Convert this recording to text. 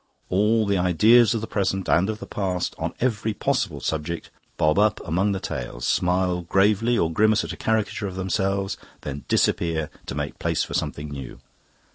All the ideas of the present and of the past, on every possible subject, bob up among the Tales, smile gravely or grimace a caricature of themselves, then disappear to make place for something new.